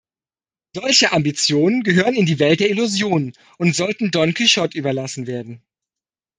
Solche Ambitionen gehören in die Welt der Illusionen und sollten Don Quijote überlassen werden.